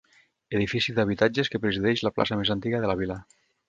Edifici d'habitatges que presideix la plaça més antiga de la vila.